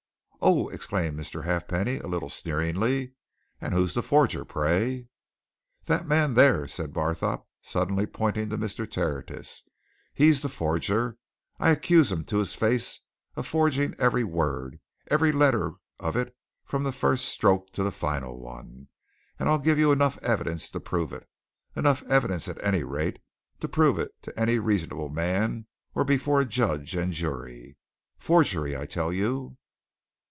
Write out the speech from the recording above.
"Oh!" exclaimed Mr. Halfpenny, a little sneeringly. "And who's the forger, pray?" "That man, there!" said Barthorpe, suddenly pointing to Mr. Tertius. "He's the forger! I accuse him to his face of forging every word, every letter of it from the first stroke to the final one. And I'll give you enough evidence to prove it enough evidence, at any rate, to prove it to any reasonable man or before a judge and jury. Forgery, I tell you!"